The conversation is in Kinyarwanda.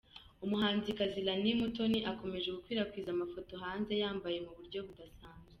Umuhanzikazi Lanie Mutoni akomeje gukwirakwiza amafoto hanze yambaye mu buryo budasanzwe.